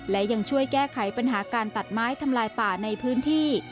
และยังช่วยแก้ไขปัญหาการตัดไม้ทำลายป่าในพื้นที่